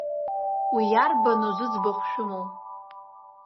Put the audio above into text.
Уи арбану зыӡбахә шәымоу?